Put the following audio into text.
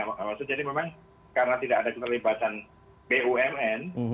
memang karena tidak ada keterlibatan bumn